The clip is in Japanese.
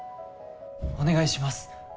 お願いします。